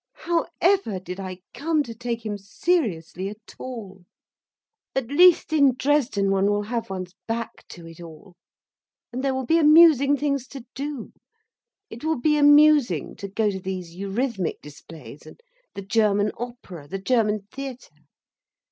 However did I come to take him seriously at all! "At least in Dresden, one will have one's back to it all. And there will be amusing things to do. It will be amusing to go to these eurythmic displays, and the German opera, the German theatre.